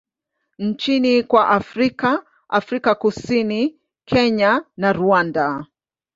nchini kwa Afrika Afrika Kusini, Kenya na Rwanda.